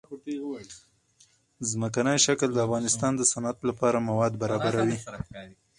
ځمکنی شکل د افغانستان د صنعت لپاره مواد برابروي.